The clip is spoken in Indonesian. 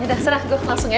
yaudah serah gue langsung ya